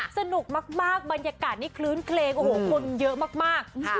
สนุกมากบรรยากาศนี้คลื้นเคลงโอ้โหคนเยอะมาก